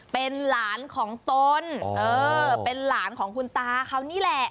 เป็นหลานของตนเออเป็นหลานของคุณตาเขานี่แหละ